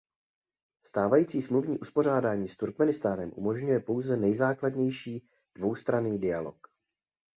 Stávající smluvní uspořádání s Turkmenistánem umožňuje pouze nejzákladnější dvoustranný dialog.